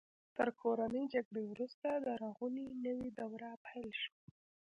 تر کورنۍ جګړې وروسته د رغونې نوې دوره پیل شوه.